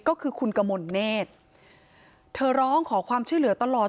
ก็คือคุณกมลเนธเธอร้องขอความช่วยเหลือตลอด